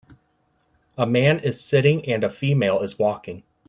A man is sitting and a female is walking.